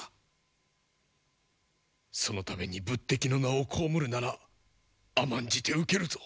そのために仏敵の名を被るなら甘んじて受けるぞ。